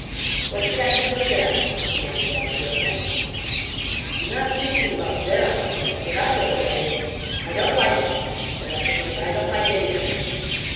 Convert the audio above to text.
"What's it got to do with them?" demanded Ethelbertha. "I'm not thinking about them," I said. "What I look at is—" "I don't like her," said Ethelbertha. "I don't like any of them."